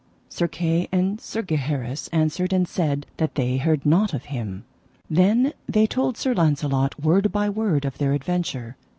Sir Kay and Sir Gaheris answered and said, that they heard not of him. Then they told Sir Launcelot word by word of their adventure.